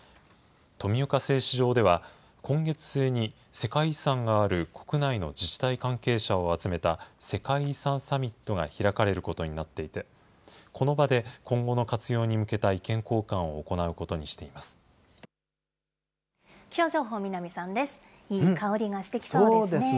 富岡製糸場では、今月末に世界遺産がある国内の自治体関係者を集めた世界遺産サミットが開かれることになっていて、この場で今後の活用に向けた意見交換を行うことにしています。